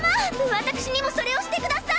私にもそれをしてください！